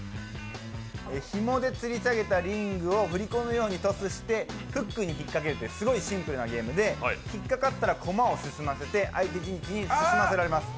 ひもでつり下げたリングをふりこのようにトスしてフックに引っかけるというすごいシンプルなゲームで引っかかったら、駒を進ませて、相手陣地に進ませられます。